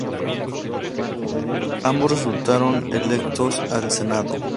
Ambos resultaron electos al Senado.